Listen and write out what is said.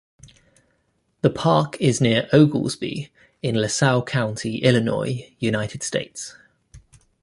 The park is near Oglesby, in LaSalle County, Illinois, United States.